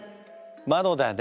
窓だね